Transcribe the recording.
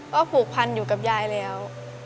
ก็ผูกพันอยู่กับยายแล้ว